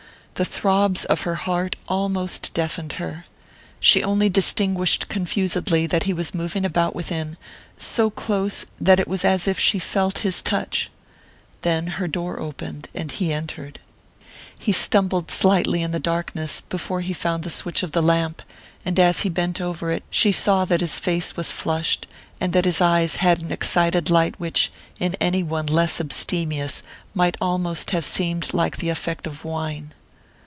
The throbs of her heart almost deafened her she only distinguished confusedly that he was moving about within, so close that it was as if she felt his touch. Then her door opened and he entered. He stumbled slightly in the darkness before he found the switch of the lamp; and as he bent over it she saw that his face was flushed, and that his eyes had an excited light which, in any one less abstemious, might almost have seemed like the effect of wine.